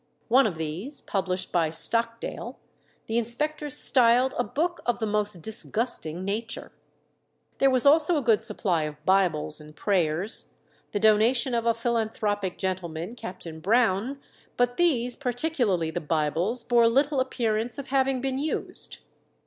One of these, published by Stockdale, the inspectors styled "a book of the most disgusting nature." There was also a good supply of Bibles and prayers, the donation of a philanthropic gentleman, Captain Brown, but these, particularly the Bibles, bore little appearance of having been used.